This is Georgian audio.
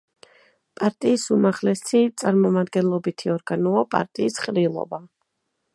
პარტიის უმაღლესი წარმომადგენლობითი ორგანოა პარტიის ყრილობა.